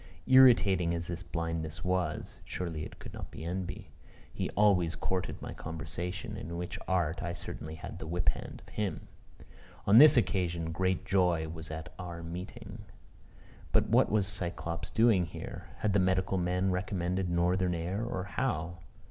Irritating as this blindness was, (surely it could not be envy?) he always courted my conversation, in which art I certainly had the whip hand of him. On this occasion, great joy was at our meeting. But what was Cyclops doing here? Had the medical men recommended northern air, or how?